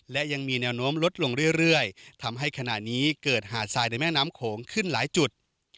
และยังมีแนวโน้มลดลงเรื่อยทำให้ขณะนี้เกิดหาดทรายในแม่น้ำโขงขึ้นหลายจุด